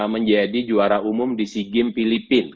menjadi juara umum di sea games filipina